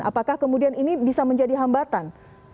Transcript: apakah kemudian ini bisa menjadi hambatan